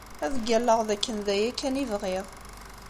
Ad ggalleɣ d akken d aya kan i bɣiɣ.